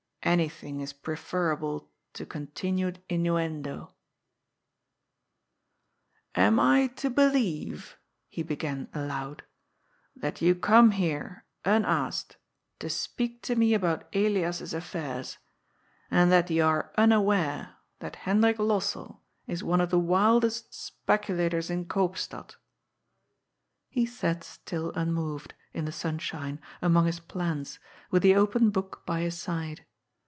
Anything is preferable to continued innuendo." ALAS, POOR HUBERT I 379 "Am I to believe," he began aloud, "that you come here unasked to speak to me about Elias's affairs, and that you are unaware that Hendrik Lossell is one of the wildest speculators in Koopstad ?'^ He sat still unmoved, in the sunshine, among his plants, with the open book by his side.